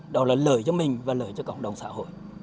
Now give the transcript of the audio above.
đó là lợi cho mình và lợi cho cộng đồng xã hội